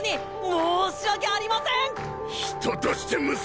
申し訳ありません。